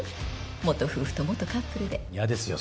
元夫婦と元カップルで嫌ですよ